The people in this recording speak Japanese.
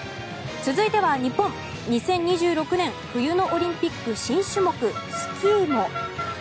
続いては、日本２０２６年冬のオリンピック新種目スキーモ。